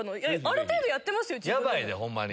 ヤバいでホンマに。